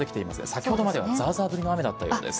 先ほどまではざーざー降りの雨だったようです。